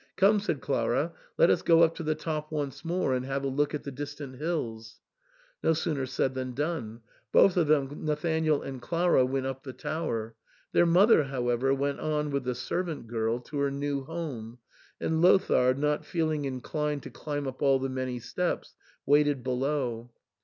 "Come," said Clara, " let us go up to the top once more and have a look at the distant hills." No sooner said than done. Both of them, Nathanael and Clara, went up the tower; their mother, however, went on with the servant girl to her new home, and Lothair, not feeling inclined to climb up all the many steps, waited below.